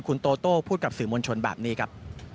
คุณโตโต้พูดกับสื่อมวลชนแบบนี้ครับ